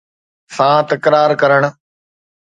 سان تڪرار ڪرڻ